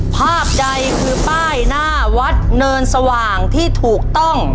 ภาพใดคือป้ายหน้าวัดเนินสว่างที่ถูกต้อง